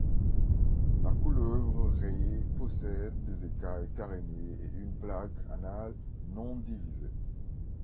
La couleuvre rayée possède des écailles carénées et une plaque anale non-divisée.